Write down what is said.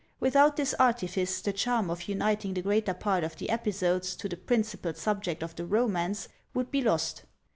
Without this artifice, the charm of uniting the greater part of the episodes to the principal subject of the romance would be lost.